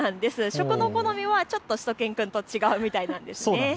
食の好はちょっとしゅと犬くんと違うみたいなんです。